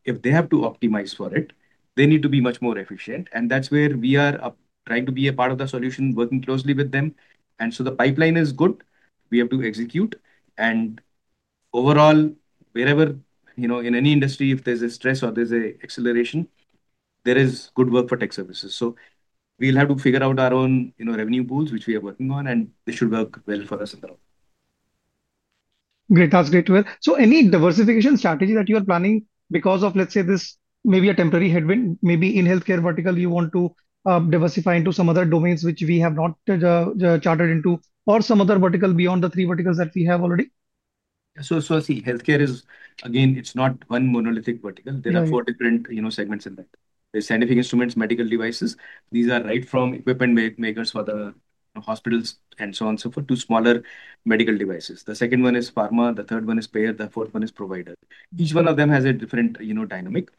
If they have to optimize for it, they need to be much more efficient. That's where we are trying to be a part of the solution, working closely with them. The pipeline is good, we have to execute, and overall, wherever, you know, in any industry, if there's a stress or there's an acceleration, there is good work for tech services. We have to figure out our own, you know, revenue pools which we are working on and this should work well for us in the round. Great. That's great. Any diversification strategy that you are planning because of, let's say, this, maybe a temporary headwind, maybe in healthcare & life sciences vertical you want to diversify into some other domains which we have not charted into or some other vertical beyond the three verticals that we have already. Healthcare is again, it's not one monolithic vertical. There are four different segments in that: the scientific instruments, medical devices—these are right from equipment makers for the hospitals and so on and so forth to smaller medical devices. The second one is pharma, the third one is payer, the fourth one is provider. Each one of them has a different dynamic,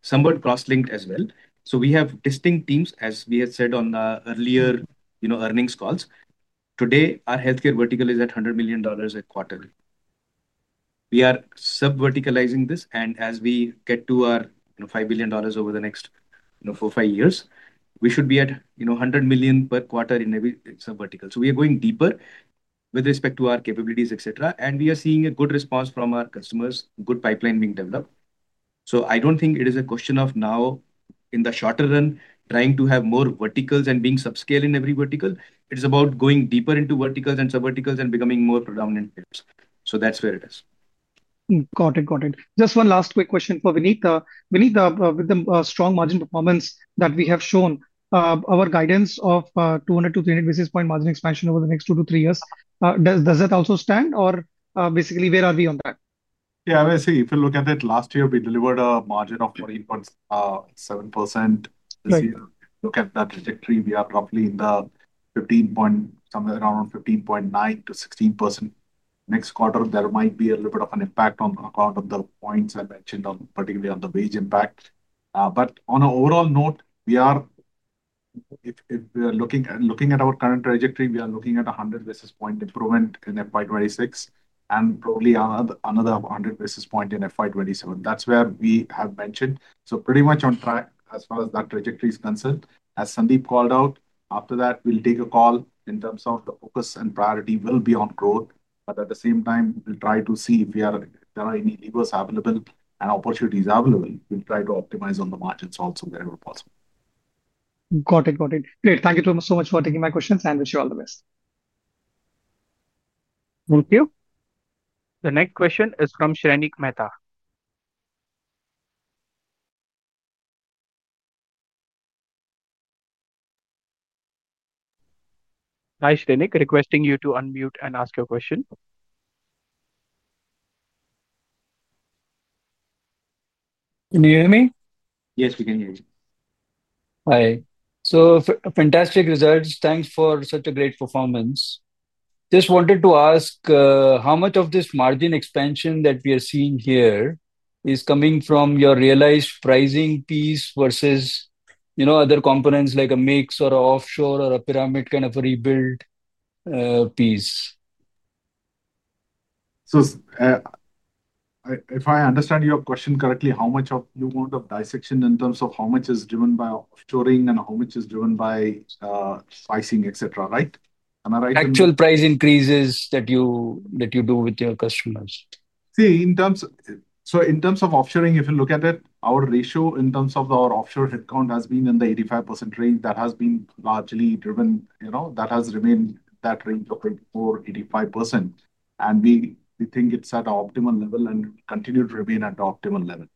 somewhat cross-linked as well. We have distinct teams. As we had said on the earlier earnings calls, today our healthcare vertical is at $100 million a quarter. We are sub-verticalizing this, and as we get to our $5 billion over the next four or five years, we should be at $100 million per quarter in every sub-vertical. We are going deeper with respect to our capabilities, et cetera, and we are seeing a good response from our customers, good pipeline being developed. I don't think it is a question of now in the shorter run trying to have more verticals and being subscale in every vertical. It's about going deeper into verticals and sub-verticals and becoming more predominant. That's where it is. Got it, got it. Just one last quick question for Vinit. With the strong margin performance that we have shown, our guidance of 200 to 300 basis point margin expansion over the next two to three years, does it also stand or basically where are we on that? Yeah, see if you look at it, last year we delivered a margin of 14.7%. Look at that trajectory, we are roughly in the 15 point, somewhere around 15.9 to 16%. Next quarter there might be a little bit of an impact on account of the points I mentioned, particularly on the wage impact. On an overall note, if we are looking at our current trajectory, we are looking at 100 basis point improvement in FY26 and probably another 100 basis point in FY27. That's where we have mentioned, so pretty much on track as far as that trajectory is concerned. As Sandeep called out, after that we'll take a call in terms of the focus and priority will be on growth. At the same time, we'll try to see if there are any levers available and opportunities available. We'll try to optimize on the margins also wherever possible. Got it. Great. Thank you so much for taking my questions and wish you all the best. Thank you. The next question is from Srinik Mehta. Hi Srinik, requesting you to unmute and ask your question. Can you hear me? Yes, we can hear you. Hi. Fantastic results. Thanks for such a great performance. Just wanted to ask how much of this margin expansion that we are seeing here is coming from your realized pricing. Piece versus, you know, other components like. A mix or offshore or a pyramid kind of rebuild piece. If I understand your question correctly, how much more amount of dissection in terms of how much is driven by offshoring and how much is driven by pricing, right? Am I right? Actual price increases that you. In terms of offshoring, if you look at it, our ratio in terms of our offshore headcount has been in the 85% range. That has been largely driven, you know, that has remained that range of 24, 85% and we think it's at optimal level and continue to remain at the optimal level.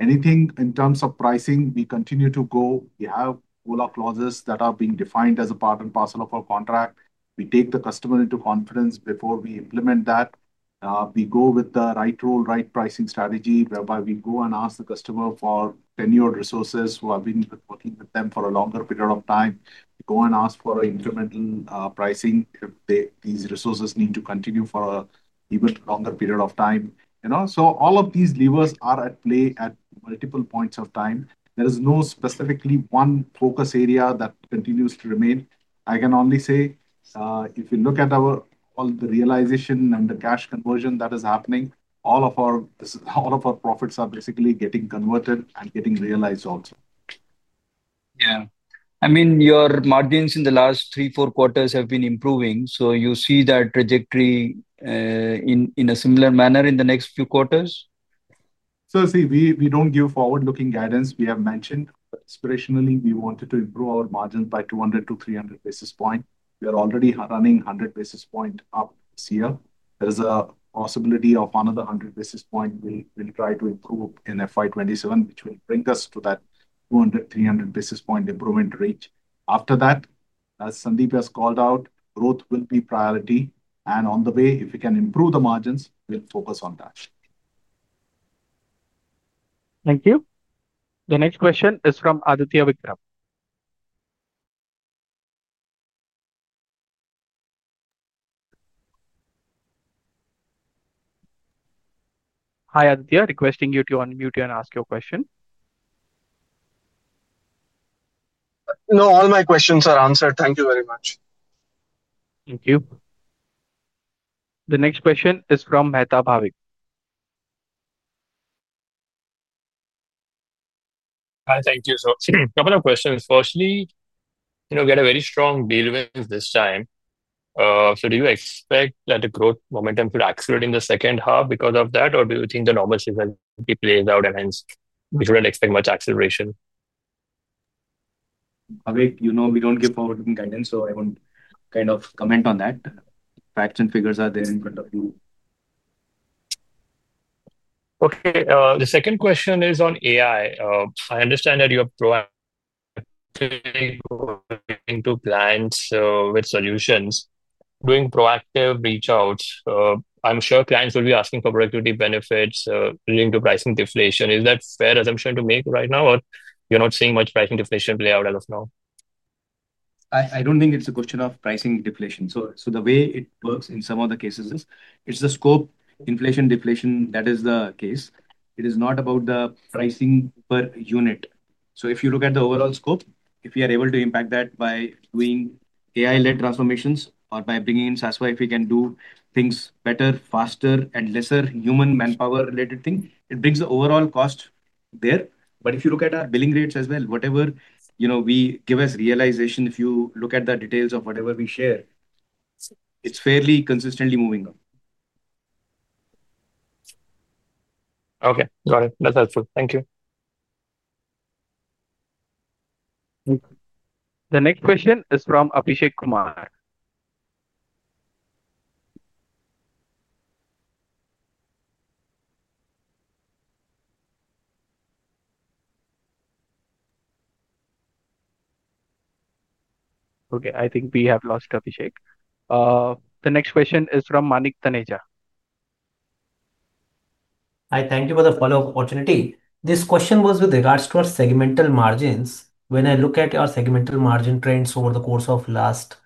Anything in terms of pricing we continue to go. We have OLA clauses that are being defined as a part and parcel of our contract. We take the customer into confidence before we implement that. We go with the right role, right pricing strategy whereby we go and ask the customer for tenured resources who have been working with them for a longer period of time, go and ask for an incremental pricing. These resources need to continue for an even longer period of time. All of these levers are at play at multiple points of time. There is no specifically one focus area that continues to remain. I can only say if you look at all the realization and the cash conversion that is happening. All of our profits are basically getting converted and getting realized also. Yeah, I mean your margins in the. Last three four quarters have been improving. You see that trajectory in a similar manner in the next few quarters. We don't give forward looking guidance. We have mentioned spiritually we wanted to improve our margins by 200 to 300 basis points. We are already running 100 basis points up this year. There is a possibility of another 100 basis points. We will try to improve in FY27, which will bring us to that 200, 300 basis point improvement reach. After that, as Sandeep has called out, growth will be priority and on the way if we can improve the margins, we'll focus on that. Thank you. The next question is from Aditya Vikram. Hi Aditya. Requesting you to unmute and ask your question. No, all my questions are answered. Thank you very much. Thank you. The next question is from Bhavik Mehta. Hi. Thank you. A couple of questions. Firstly, you know, get a very strong deal win this time. Do you expect that the growth momentum should accelerate in the second half because of that, or do you think the normal season plays out and hence we shouldn't expect much acceleration? You know, we don't give forward looking guidance, so I won't kind of comment on that. Facts and figures are there in front of you. Okay, the second question is on AI. I understand that you're proactive into clients with solutions, doing proactive reach outs. I'm sure clients will be asking for productivity benefits linked to pricing deflation. Is that a fair assumption to make right now, or you're not seeing much pricing deflation play out as of now? I don't think it's a question of pricing deflation. So. The way it works in some of the cases is it's the scope inflation deflation that is the case. It is not about the pricing per unit. If you look at the overall scope, if you are able to impact that by doing AI-led transformations or by bringing in SASVA, if we can do things better, faster, and with less human manpower-related effort, it brings the overall cost down. If you look at our billing rates as well, whatever, you know, we give as realization, if you look at the details of whatever we share, it's fairly consistently moving up. Okay, got it. That's helpful, thank you. The next question is from Abhishek Kumar. Okay, I think we have lost Abhishek. The next question is from Manik Taneja. Hi, thank you for the follow up opportunity. This question was with regards to our segmental margins. When I look at your segmental margin trends over the course of last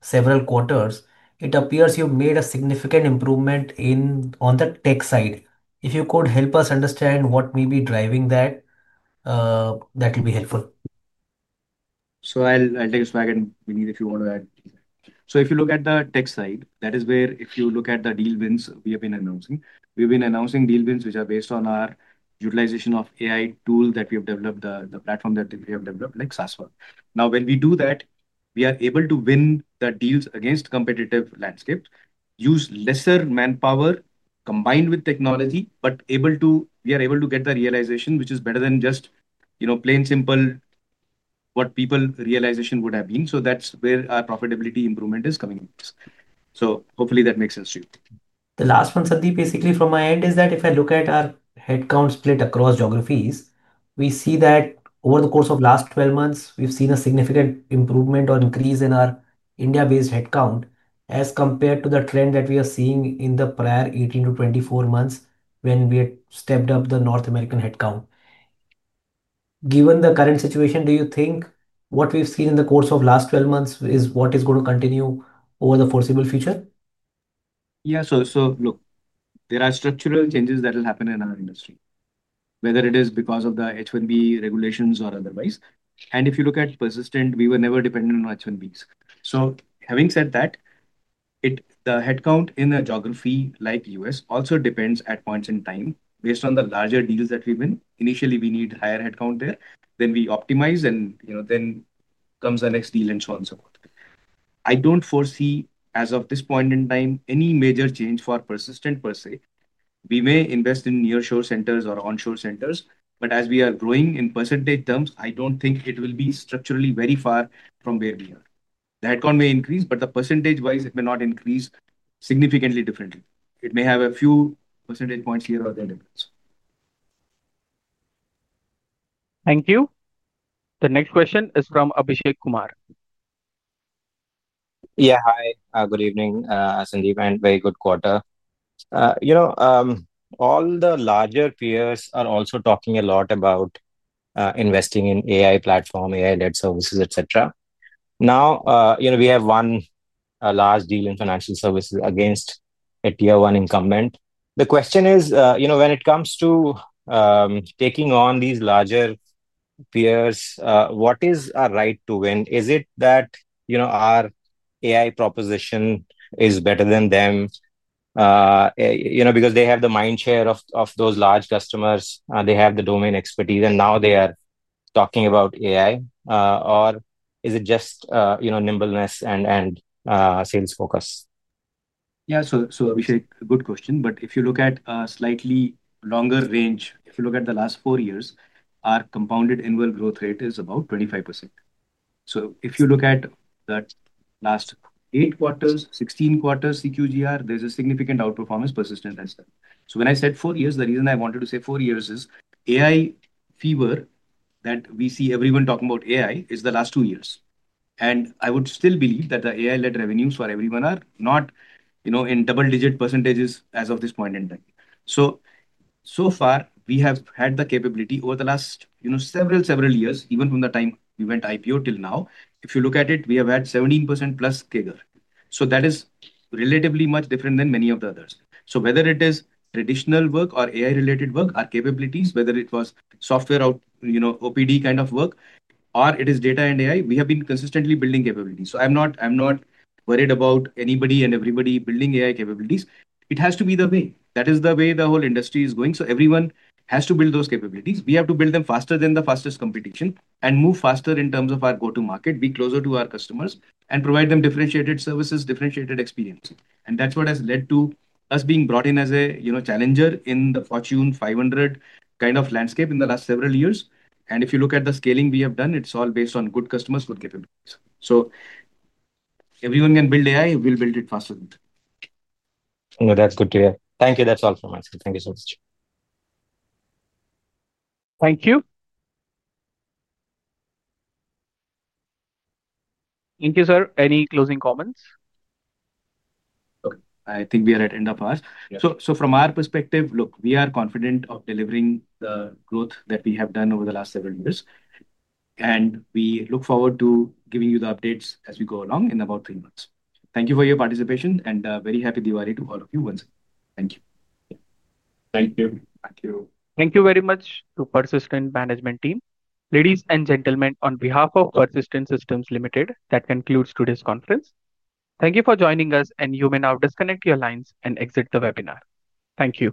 several quarters, it appears you've made a significant improvement in on the tech side. If you could help us understand what may be driving that, that will be helpful. I'll take a swag, and Vinit, if you want to add. If you look at the tech side, that is where, if you look at the deal wins we have been announcing, we've been announcing deal wins which are based on our utilization of AI tools that we have developed, the platform that we have developed like the SASVA platform. When we do that, we are able to win the deals against competitive landscapes, use lesser manpower combined with technology, but are able to get the realization which is better than just, you know, plain simple what people realization would have been. That's where our profitability improvement is coming. Hopefully that makes sense to you. The last one, Sandeep, basically from my end is that if I look at our headcount split across geographies, we see that over the course of the last 12 months we've seen a significant improvement or increase in our India-based headcount as compared to the trend that we are seeing in the prior 18 to 24 months when we had stepped up the North American headcount. Given the current situation, do you think what we've seen in the course of the last 12 months is what is going to continue over the foreseeable future? Yeah, so look, there are structural changes that will happen in our industry whether it is because of the H1B regulations or otherwise. If you look at Persistent, we were never dependent on H1Bs. Having said that, the headcount in a geography like U.S. also depends at points in time based on the larger deals that we win. Initially we need higher headcount there, then we optimize and then comes the next deal and so on, so forth. I don't foresee as of this point in time any major change for Persistent per se. We may invest in nearshore centers or onshore centers, but as we are growing in percentage terms, I don't think it will be structurally very far from where we are. The headcount may increase, but percentage wise it may not increase significantly differently. It may have a few percentage points here or the independence. Thank you. The next question is from Abhishek Kumar. Yeah, hi, good evening Sandeep. Very good quarter. You know all the larger peers are. Also talking a lot about investing in AI platform, AI-led services, etc. Now we have one last deal in financial services against a tier one incumbent. The question is when it comes to. Taking on these larger peers, what is our right to win? Is it that our AI proposition is better than them because they have the. Mind share of those large customers, they. Have the domain expertise, and now they. Are you talking about AI or is it. Just, you know, nimbleness and sales focus? Yeah, Abhishek, good question. If you look at a slightly longer range, if you look at the last four years, our compounded annual growth rate is about 25%. If you look at that last 8/4, 16/4 CQGR, there's a significant outperformance Persistent as well. When I said four years, the reason I wanted to say four years is AI fever that we see everyone talking about, AI is the last two years. I would still believe that the AI-led revenues for everyone are not, you know, in double digit percentages as of this point in time. So far we have had the capability over the last, you know, several, several years even from the time we went IPO till now. If you look at it, we have had 17% plus CAGR. That is relatively much different than many of the others. Whether it is traditional work or AI-related work, our capabilities, whether it was software, OPD kind of work, or it is data and AI, we have been consistently building capabilities. I'm not worried about anybody and everybody building AI capabilities. It has to be the way, that is the way the whole industry is going. Everyone has to build those capabilities. We have to build them faster than the fastest competition and move faster in terms of our go-to-market, be closer to our customers and provide them differentiated services, differentiated experience. That's what has led to us being brought in as a, you know, challenger in the Fortune 500 kind of landscape in the last several years. If you look at the scaling we have done, it's all based on good customers, good capabilities. Everyone can build AI, we'll build it faster. No, that's good to hear. Thank you. That's all from us. Thank you so much. Thank you. Thank you, sir. Any closing comments? I think we are at the end of hours. From our perspective, look, we are confident of delivering the growth that we have done over the last several years, and we look forward to giving you the updates as we go along in about three months. Thank you for your participation, and very happy Diwali to all of you once. Thank you. Thank you. Thank you. Thank you very much to Persistent Management Team. Ladies and gentlemen, on behalf of Persistent Systems Limited, that concludes today's conference. Thank you for joining us. You may now disconnect your lines and exit the webinar. Thank you.